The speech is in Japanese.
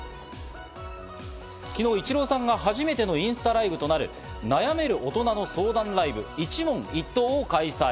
昨日イチローさんが初めてのインスタライブとなる悩める大人の相談ライブ・イチ問一答を開催。